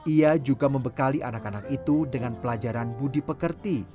ia juga membekali anak anak itu dengan pelajaran budi pekerti